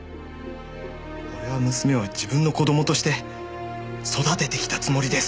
俺は娘を自分の子供として育ててきたつもりです。